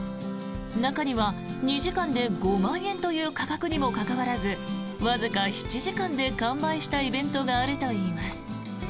中には２時間で５万円という価格にもかかわらずわずか７時間で完売したイベントがあるといいます。